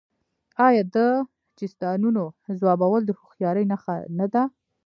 آیا د چیستانونو ځوابول د هوښیارۍ نښه نه ده؟